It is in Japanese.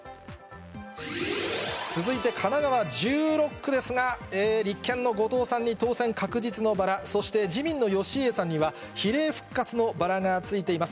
続いて神奈川１６区ですが、立憲の後藤さんに当選確実のバラ、そして自民の義家さんには、比例復活のバラがついています。